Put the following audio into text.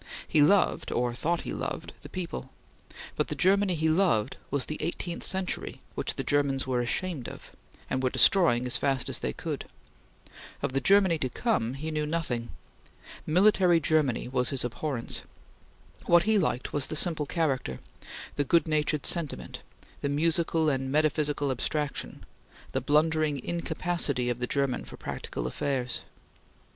He loved, or thought he loved the people, but the Germany he loved was the eighteenth century which the Germans were ashamed of, and were destroying as fast as they could. Of the Germany to come, he knew nothing. Military Germany was his abhorrence. What he liked was the simple character; the good natured sentiment; the musical and metaphysical abstraction; the blundering incapacity of the German for practical affairs.